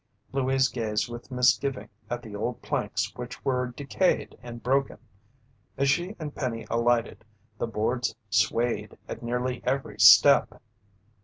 Louise gazed with misgiving at the old planks which were decayed and broken. As she and Penny alighted, the boards swayed at nearly every step.